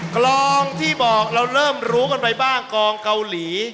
กลองที่บอกเราเริ่มรู้กันไปบ้างกองเกาหลี